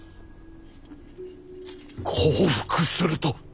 降伏すると。